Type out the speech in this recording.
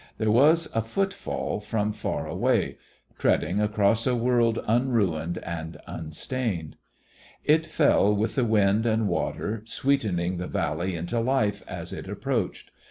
There was a footfall from far away, treading across a world unruined and unstained. It fell with the wind and water, sweetening the valley into life as it approached.